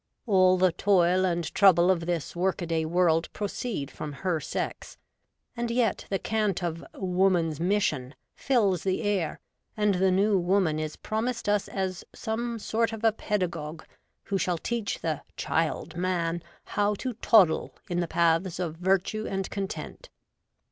All the toil and trouble of this work a day world proceed from her sex ; and yet the cant of ' Woman s Mission ' flls the air, and the New Woman is promised us as some sort of a pedagogue who shall teach the ' Child Man ' how to toddle in the paths of virtue and content.